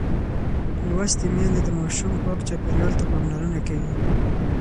لوستې میندې د ماشوم پاک چاپېریال ته پاملرنه کوي.